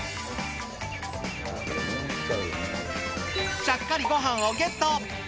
ちゃっかりごはんをゲット。